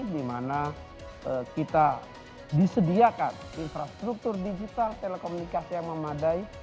di mana kita disediakan infrastruktur digital telekomunikasi yang memadai